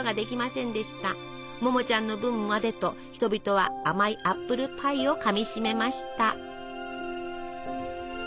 ももちゃんの分までと人々は甘いアップルパイをかみしめました。